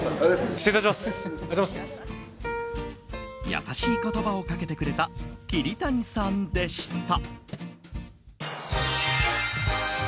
優しい言葉をかけてくれた桐谷さんでした。